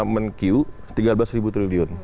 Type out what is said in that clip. mengatakan tiga belas triliun